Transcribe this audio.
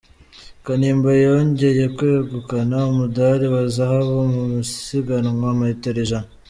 Kanimba yongeye kwegukana umudari wa zahabu mu gusiganwa metero Ijana